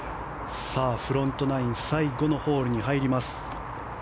フロントナイン最後のホールに入ります。